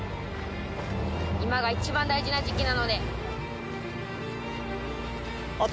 今が一番大事な時期なので。